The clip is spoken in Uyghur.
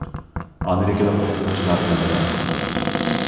ئامېرىكىلىق ئوقۇغۇچىلار گاڭگىراپ قاپتۇ.